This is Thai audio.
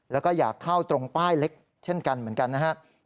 แล้วก็อยากเข้าตรงป้ายเล็กเช่นกันเหมือนกันนะครับ